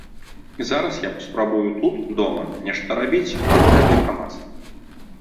І зараз я паспрабую тут, дома, нешта рабіць вартае для грамадства.